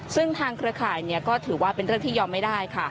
ซึ่งทางเครือข่ายก็ถือว่าเป็นเรื่องที่ยอมไม่ได้ค่ะ